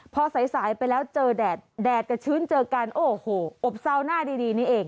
พอสายสายไปแล้วเจอแดดแดดกับชื้นเจอกันโอ้โหอบเศร้าหน้าดีนี่เอง